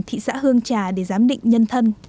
thị xã hương trà để giám định nhân thân